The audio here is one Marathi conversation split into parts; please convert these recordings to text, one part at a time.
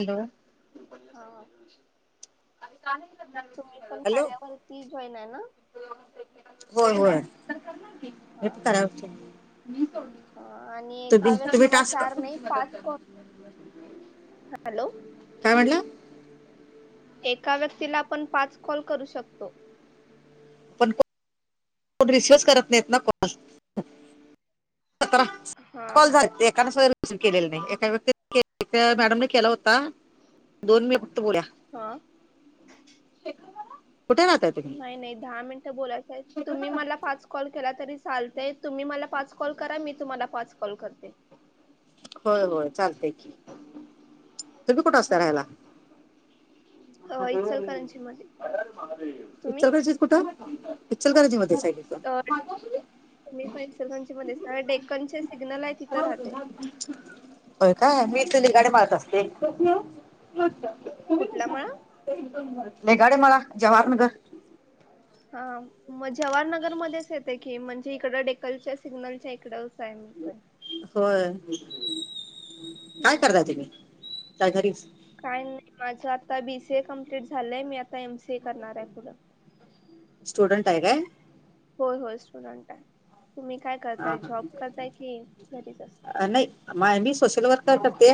हॅलो! हा, तुम्ही पण हॅलो कार्यावरती जॉईनं ना. होय होय, हे हा पण कार्यावरती हा आणि एका तुम्ही तुम्ही व्यक्तीला टास्क चार नाही पाच कॉल हॅलो काय म्हटला एका व्यक्तीला आपण पाच कॉल करू शकतो. कोन रिसिव्हच करत नाहीत ना, कॉल सतरा हा कॉल हा झालते. काल रिसिव्ह केलेली नाही एका व्यक्ती एका मॅडमने केला होता. दोन मिनिट फक्त बोल्या. हा कुठे ना नाही नाही दहा मिनटं बोलायचय तुम्ही मला पाच कॉल केला तरी चाल तुम्ही मला पाच कॉल करा मी तुम्हाला पाच कॉल करते. होय होय चालते की, तुम्ही कुठं असता राहायला हो इचलकरंजी मध्ये. तुम्ही इचलकरंजी कुठं. इचलकरंजी मध्ये च आहे काय मी पण इचलकरंजी मध्ये च आहे. डेकन चे सिग्नल आहेत हो हो. तू बोल [unintelligible] होय का मी इथं निदाडे मळ्यात असते. कुठला मळा लेगाडेमाळा जवाहरनगर. हां मग जवाहरनगरमध्येच येते की म्हणजे इकडं डेकलच्या सिग्नलच्या इकडंच सायंकल होय. काय ह करताय तिकडं काय घरीच. काय नाही माझं आता बीसीए कमप्लीट झालंय मी आता एम सीए करणार आहे पुढं स्टूडेंट आहे काय होय होय स्टुडंट आहे. तुम्ही काय हा करताय जॉब करताय की घरीच असताय. हा मी सोशल वर्क करते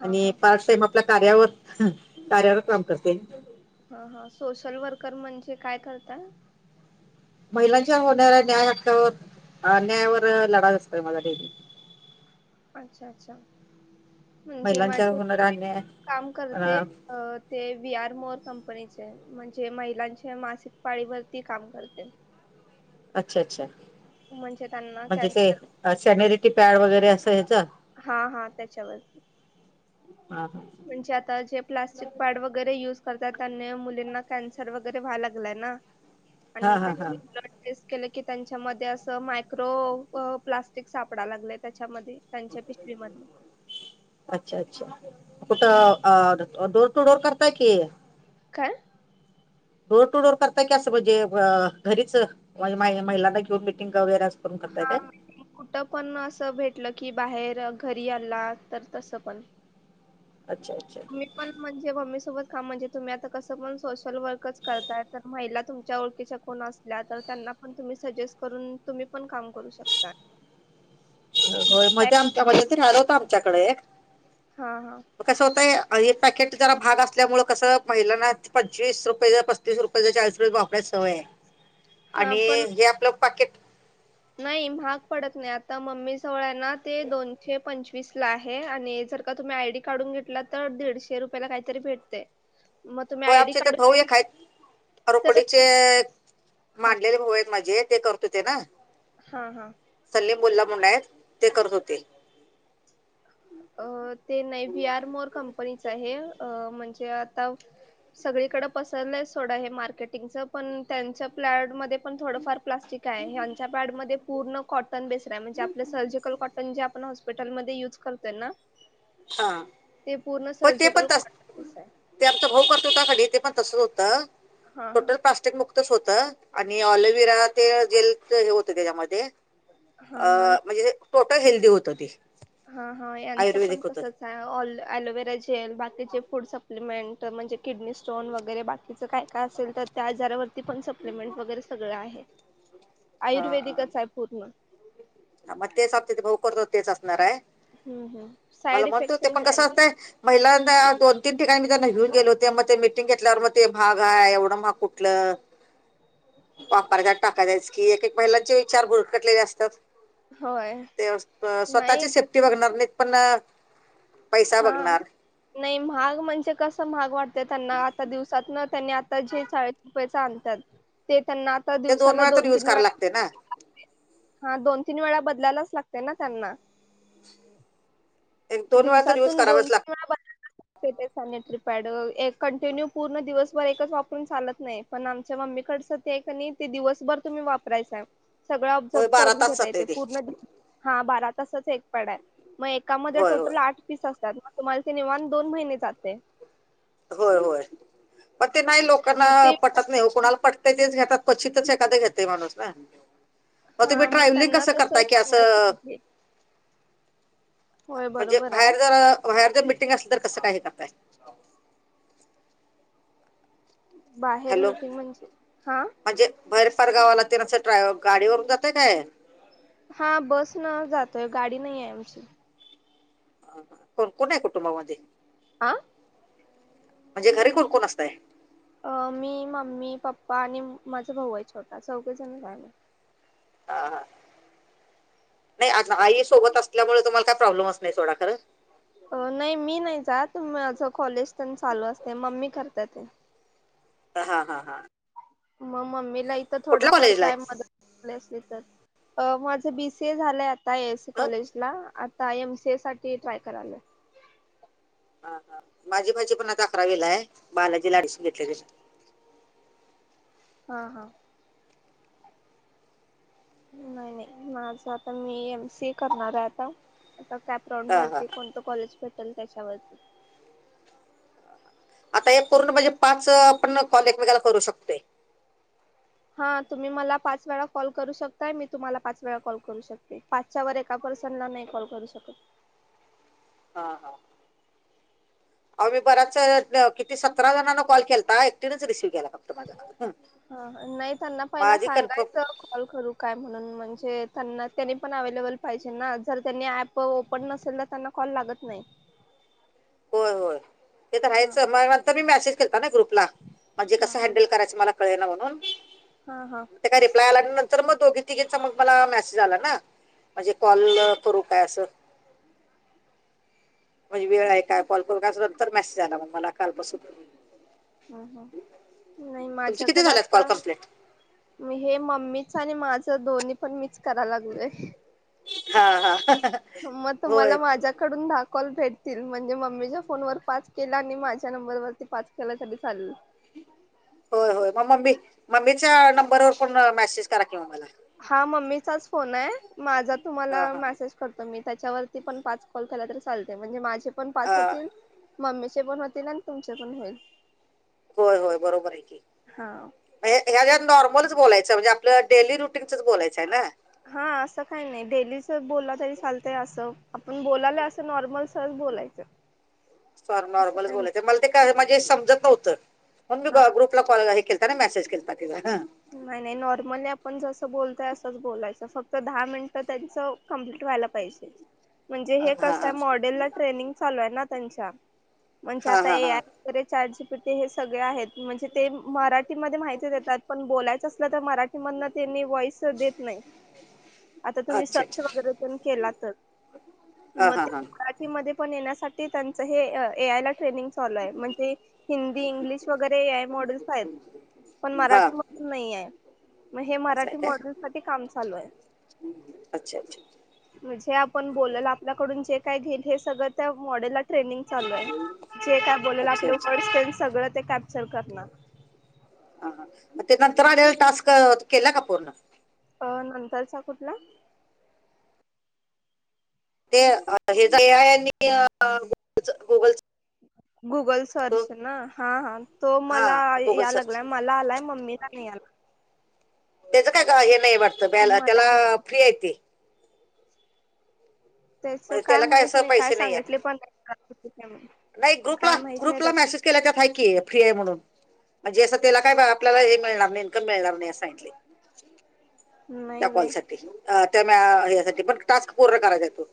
हा आणि हा पार्ट टाइम आपल कार्यावर हम कार्यावर काम करते. हा हा सोशल वर्कर म्हणजे काय करता महिलांच्या होणाऱ्या न्याय हक्कावर, अन्यायावर लढा असतोय माझा डेली. अच्छा अच्छा म्हणजे महिलांच्या माझे होणारा अन्याय [inaudible] काम करते. [unintelligible] अ ते विआर मोर कंपनीचे म्हणजे महिलांचे मासिक पाळीवरती काम करते. अच्छा अच्छा त्यांना म्हणजे कॅन्सर ते सेन्यरिटी पॅड वगैरे असं हेच. हा हा त्याच्यावरती. ह हा! म्हणजे आता जे प्लास्टिक पॅड वगैरे युज करता त्यांना मुलींना कॅन्सर वगैरे व्हा लागलाय ना हा आणि हा हा त्याचे टेस्ट केलं की त्यांच्यामध्ये असं मायक्रो प्लास्टिक सापडा लागलंय त्याच्यामध्ये. त्यांच्या पिशवीमध्ये. अच्छा अच्छा कुठ हम्म. अ डोअर टू डोअर करताय कि काय डोर टू डोअर करता की असं म्हणजे घरीच म्हजे महिलांना घेऊन मिटिंग वगैरे. करून करताय हा काय? मीटिंग कुठं पण असं भेटलं की बाहेर घरी आला तर तसं पण अच्छा, अच्छा तुम्ही पण म्हणजे मम्मी सोबत कामतूम्ही आता कं पण सोशल वर्कच करताय तर महिला तुमच्याओळखच्या कोण असल्यास त्यांना पण तुम्ही सजे करून तुम्ही पण काम करू शकता. हो. मध्ये आमच्या [unintelligible] राड होत आमच्याकडे एक हा हा. कसं होतंय आणि हे पॅकेट जरा महाग असल्यामुळ कसं महिलांना पंचवीस रुपये जर तीस रुपये चाळीस रुप्येचं वापरायची सवयए. हा आणि पण जे आपलं पाकेट. नाही महाग पडत नाही. आत्ता मम्मी जवळ आहे ना ते दोनशे पंचवीस ला आहे. आणि जर- तुम्ही आयडी काढून घेतला तर दीडशे रुपयाला काहीतरी भेटतय. हो. आपचे ते भाऊ एक आहेत तर [unintelligible] ते हा मानलेले भाउ आहेत माझे. ते करत होते ना? हां. हां. सलीम बल्ला मुंडाय ते करत होते. अ ते नाही व्ही आर मोर कंपनीच आहे. म्हणजे आता- सगळीकडं पसरलंय सोडा हे मार्केटिंगच. पण त्यांच्या प्लॅड मध्ये पण थोडंफार प्लास्टिक- काय यांच्या पॅडमध्ये पूर्ण- कॉटन बेस्ड ए. म्हणजे आपलं सर्जिकल कॉटन जे आपण हॉस्पिटलमध्ये युज करतोय ना? हा ते पूर्ण पण ते पण सर्जिकल तस कॉटन पिस आहे. ते आमचा भाऊ करत होता कनी ते पण तसच होतं. हा हा टोटल प्लास्टिक मुक्तच होतं. आणि ऑलोविरा ते जेलच हे होतं त्याच्यामध्ये. हा अ हा म्हणजे- टोटल हेल्दी होत ते. हं. हं. यांचं पण आयुर्वेदिक होतं तसच आहे. ऑल ऍलोवेरा जेल बाकीचे फूड सप्लिमेंट. म्हणजे किडनी स्टोन वगैरे बाकीचं काय काय असेल तर त्या आजारावरती पण सप्लिमेंट वगैरे सगळं आहे. हा आयुर्वेदिकच आहे पूर्ण. मग तेच आत्ता ते भाऊ करत होते तेच असणार आहे. हम्म हम्म साईड मला म्हणत इफेक्ट होते तेन पण काय कसं नाही असतंय- पहिलांदा दोन तीन ठिकाणी मी त्यांना घेऊन गेले होते. मग ते मीटिंग घेतल्यावर मग ते महाग ए एवढं महाग कुठलं? [unintelligible] जायचं की एक एक महिलांचे विचार भुरकटलेले असतात. होय. ते अ नाही स्वतःची सेफ्टी बघणार नाहीत पण- पैसा हा. बघणार नाही महाग म्हणजे कसं महाग वाटत त्यांना, आता दिवसात न त्यांनी आता जे चाळीस रुपययाच आणतात- ते त्यांना आता ते दिवसाला वेळा तर दोन यूज तीन करायला वेळा- लागते ना हा. दोन तीन वेळा बदलायलाच लागतय ना त्यांना? एक दोन वाार तर दिवस- दिवसातून दोन तीन वेळा [unintelligible] ते ते सॅनिटरीपॅड कंटिन्यू पूर्ण दिवसभर एकच वापरून चालत नाहीत. पण आमच्या मम्मीकडचं ते आहे का नाही ते दिवसभर तुम्ही वापरायचाय. सगळं ऑब्झर्व होय बारा करून तास घेतय ते जाते पूर्ण. हा. बारा तासाच एक पॅड आहे. म एकामध्ये होय टोटल होय आठ पीस असतात. मग तुम्हाला ते निवांत दोन महिने जातय. होय होय. पण ते नाही लोकांना मग ते पटत नाही हो. कुणाला पट- ते तेच घेतात. क्वचितच एखाद घेतय माणूस ना? अ तुम्ही हा मग ट्रॅव्हलिंग त्यांना कसं तसं करताय की सांगायला असं? पाहिजे होय म्हणजे बरोबर आहे बाहेर जर बाहेर जर मिीटिंग असली तर कसं काय हे करताय? बाहेर हॅलो. मिटिंग म्हणजे हा म्हणजे भैर परगावाला ते [unintelligible] गाडीवरून जाताय काय? हां. बस न जातोय गाडी नाही आहे आमची को कोण आहे कुटुंबामध्ये आ. म्हणजे घरी कोणकोण असतय? अ मी मम्मी पप्पा आणि माझा भाऊ आहे छोटा चौघजणच आहे. हा- हा नाही आ आई सोबत असल्यामुळे तुम्हाला काय प्रॉब्लेमच नाही सोडा कर. नाही मी नाही जात माझं कॉलेज तेंन चालू असतय मम्मी करतात‌. हा - हा - हा. मग मम्मीला इथं थोडं कुठल्या फर कॉलेजला काय आहे मदत अ माझं बी सी ए झालंय आता ए एस सी हं? कॉलेजला आता एम सी ए साठी ट्राय कराले. हा हा माझी भाची पण आता अकरावीलाय बालाजी ऍडमिशन घेतलेलं. हा - हा. नाही -. माझं आता मी एम सी एस करणार आहे आता, आता कॅपटाउंड हा हा वरती कोणतं कॉलेज भेटेल त्याच्यावर. आता हे पूर्ण म्हणजे पाच आपण कॉल एक वेगला करू शकतोय. हा तुम्ही मला पाच वेळा कॉल करू शकताय मी तुम्हाला पाच वेळा कॉल करू शकते. पाच त्याच्यावर एका पर्सन ला नाही कॉल करू शकत. हा -हा. अ मी बराच किती सतरा जणांना कॉल केलता एकटीनेच रिसिव्ह केलाय. [inaudible] हा नाही त्यांना पहिला कन्फर्म सांगायचं कॉल करू काय म्हणून म्हणजे त्यांना त्यांनी पण अवेलेबल पाहिजे ना जर त्यांनी ऍप ओपन नसेल ना त्यांना कॉल लागत नाही. होय -होय. ते तर हा हायचं म नंतर मी मॅसेज केलता ना ग्रुपला म्हणजे हा कसं हा हँडल करायचं मला कळेना म्हणून. हा -हा. त्या रिप्लाय आल्या आणि नंतर मग दोघी तिघिंचा मग मला मेसेज आला ना. म्हणजे कॉल करू काय असं. म्हणजे वेळ काय कॉल करू काय नंतर मेसेज आला मग मला कालपासून‌. हम्म - हम्म. नाही तुमचे किती माझ्याकडे झालेत कॉल आता कम्प्लीट हे मम्मीच आणि माझं दोन्ही पण मिच कराय लागलोय. हा -हा. म तुम्हाला होय माझ्याकडून दहा कॉल भेटतील. म्हणजे मम्मीच्या फोनवर पाच केला आणि माझ्या नंबरवरती पाच केल्या तरी चालेल. होय- होय. मग मम्मी, मम्मीच्या नंबरवर पण मेसेज करा कि मला. हा मम्मीचाच फोन आहे माझा तुम्हाला हा हा मेसे ज करतो मी त्याच्यावरती पण पाच कॉल केला तरी चालतय म्हणजे माझे पण पाच अ, होतील. मम्मीचे पण होतील. आणि तुमचे पण होईल. होय - होय. बरोबर आहे कि. हा ह्या ज्या नॉर्मलच बोलायचं म्हणजे आपलं डेली रुटींग च बोलायचंय ना? हा असं काही नाही डेलीच बोला तरी चालतय असं आपण बोलायला असं नॉर्मल सहज बोलायचं. [inaudible] असं नॉर्मल काही नाही बोलायच मला ते काय म्हणजे समजत नव्हतं म्हणून मी हा ग्रुप ला हे केलथा मेसेज केेलता तिला हा. नाही - नाही. नॉर्मली आपण जसं बोलतय असंच बोलायचं फक्त दहा मिनिटं त्यांचं कंप्लीट व्हायला पाहिजे. [unintelligible] म्हणजे हे हां कसं हां मॉडेल ला ट्रेनिंग चालू आहे ना त्यांच्या म्हणजे हां आता हां हां ए चाट जी पीटी हे सगळे आहेत, म्हणजे ते मराठीमध्ये माहिती देतात. पण बोलायचं असलं तर मराठीमधन त्यांनी वॉइस देत नाही. आता तुम्ही अच्छा सर्च अच्छा वगैरे तेंन केला तर हां म हां ते हां मराठी मध्ये पण येण्यासाठी त्यांच हे ए आय ला ट्रे चालू हाय म्हणजे हिंदी, इंग्लिश वगैर एक आय मॉडेल्स आहेत, पण हां मराठी नाहिये म हे असं आहे मराठी काय मॉडेल साठी काम चालू आहे. अच्छा अच्छा म्हणजे आपण बोल्यालो आपल्याकडून जे काय घेईल ते सगळं त्या मॉडेलला ट्रेनिंग चालू हाय जे काय बोलल अच्छा आपले अच्छा वर्ड्स तेन सगळं ते कॅप्चर करणार. हा हा मग ते नंतर आलेलं टास्क केल का पूर्ण. अ नंतरचा कुठला? ते अ हे [inaudible] आणि गुगलंच गुगलच गुगल सर्च ना हा हा तो हा मला गुगल सर्च यालागलाय मला आलाय मम्मीला नाही आला. त्याचं काय हे नाही वाटत बॅल मला त्याला आलाय फ्री आहे ते. त्याच म्हणजे काय त्याला माहित असं नाही काय पैसे सांगितले आहेत पण नाही किती च नाही ग्रुपला ग्रुपला मॅसेज केलय त्यात हाय की फ्री आहे म्हणून. म्हणजे असं त्याला काय बा आपल्याला हे मिळणार नाही इन्कम मिळणार नाही असं सांगितलंय. त्या नाही वे कॉल साठी अ त्या मॅम यासाठी पण टास्क पूर्ण करायचाय तो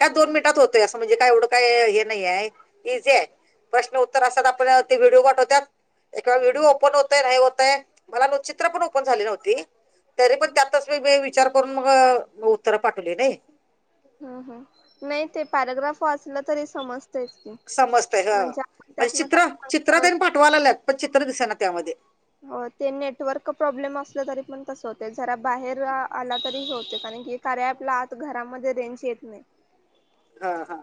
काय दोन मिनिटात होतोय, असं म्हणजे काय एवढं काय हे नाही हाय. इझी आहे प्रश्न उत्तर असतात, आपण ते व्हिडिओ पाठवत्यात एकवेळ व्हिडिओ ओपन होतय, नाही होतय मला चित्र पण ओपन झाली नव्हती. तरी पण त्यातच मी बी विचार करून मग उत्तरं पाठवली नायी हम्म हम्म नाही ते पॅराग्राफ वाचलं तरी समजतयच. समजतय हा म्हणजे चित्र चित्र तेन पाठवा सांगत लागल्यात पण चित्र दिसना त्यामध्ये. हो ते नेटवर्क प्रॉब्लेम असलं तरी पण तसं होतय, जरा बाहेर आ आला तरी होतय कारण की कार्या ऍपला आत घरामध्ये रेंज येत नाही. हा हा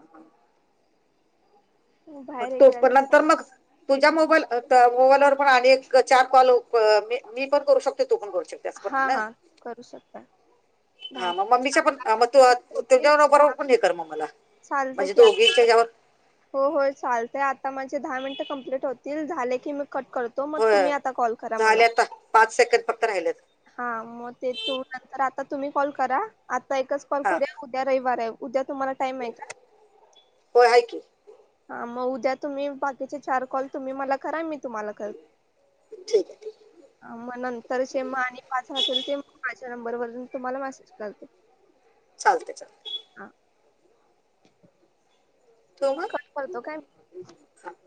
मग बाहेर हे तो केला पण तरी नंतर चालते मग तुझ्या मोबाईल मोबाईलवर पण आणि एक चार कॉल मी पण करू शकतोय तू पण करू शकते. असं पण आहे हा ना हा करू शकताय. हा म मम्मीच्या पण मग तू होतील तुझ्यावर दहा बरोबर पण हे कर मग मला. चालतं म्हणजे की आता दोघींच्या ह्याच्यावर हो होय चालतय आता माझे दहा मिनिटं कम्प्लीट होतील झाले की मी कट करतो. तो मग होय तुम्ही आता कॉल करा मला. झाले आता पाच सेकंद फक्त राहिलेत हा मग ते तू नंतर आता तुम्ही कॉल करा आता एकच कॉल हा करूया उद्या रविवार आहे. उद्या तुम्हाला टाइम आहे का? व्हय हाय की हा मग उद्या तुम्ही बाकीचे चार कॉल तुम्ही मला करा मी तुम्हाला करते. ठीक आहे ठीक हा मग नंतर जे म आणि पाच राहतील ते मग माझ्या नंबरवरून तुम्हाला मॅसेज करते. चालतय चालतय. हा कट करतो काय [unintelligible]